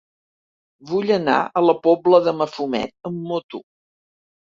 Vull anar a la Pobla de Mafumet amb moto.